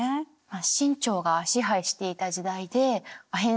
清朝が支配していた時代でアヘン